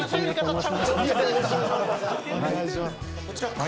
・お願いします。